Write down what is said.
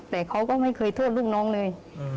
แต่เขาก็ไม่เคยโทษลูกน้องเลย